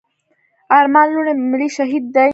ارمان لوڼي ملي شهيد دی.